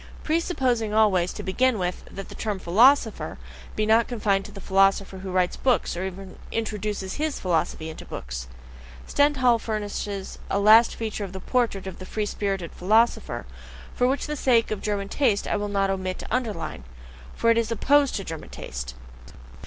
Presupposing always, to begin with, that the term "philosopher" be not confined to the philosopher who writes books, or even introduces HIS philosophy into books! Stendhal furnishes a last feature of the portrait of the free spirited philosopher, which for the sake of German taste I will not omit to underline for it is OPPOSED to German taste.